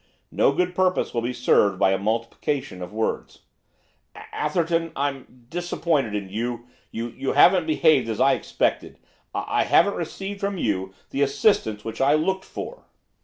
No good purpose will be served by a multiplication of words.' 'Atherton, I I'm disappointed in you. You you haven't behaved as I expected. I I haven't received from you the assistance which I looked for.